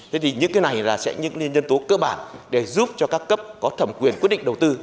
thế thì những cái này là sẽ những nhân tố cơ bản để giúp cho các cấp có thẩm quyền quyết định đầu tư